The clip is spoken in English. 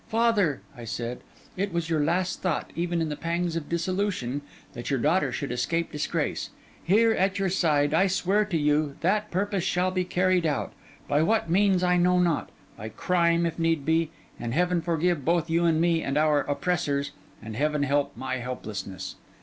'Father,' I said, 'it was your last thought, even in the pangs of dissolution, that your daughter should escape disgrace. Here, at your side, I swear to you that purpose shall be carried out; by what means, I know not; by crime, if need be; and Heaven forgive both you and me and our oppressors, and Heaven help my helplessness!